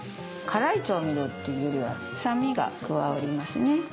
辛い調味料っていうよりは酸味が加わりますね。